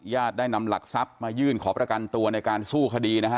ได้นำหลักทรัพย์มายื่นขอประกันตัวในการสู้คดีนะฮะ